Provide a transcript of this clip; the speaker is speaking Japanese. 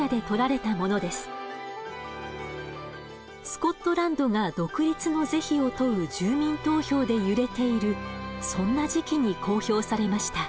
スコットランドが独立の是非を問う住民投票で揺れているそんな時期に公表されました。